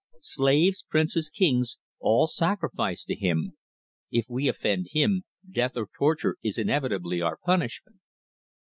Slaves, princes, kings, all sacrifice to him. If we offend him death or torture is inevitably our punishment."